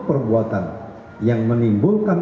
perbuatan yang menimbulkan